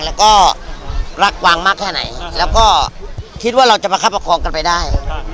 แล้วก็รักกวางมากแค่ไหนและก็คิดเราจะมาความรับประคองกันไปได้